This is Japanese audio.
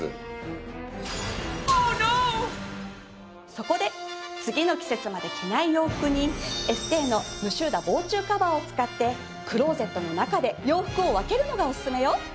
そこで次の季節まで着ない洋服にエステーのムシューダ防虫カバーを使ってクローゼットの中で洋服を分けるのがおすすめよ！